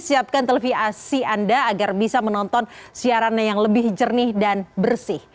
siapkan televisi anda agar bisa menonton siarannya yang lebih jernih dan bersih